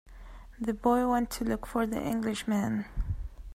The boy went to look for the Englishman.